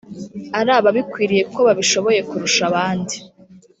ari ababikwiriye koko babishoboye kurusha abandi